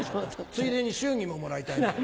ついでに祝儀ももらいたいな。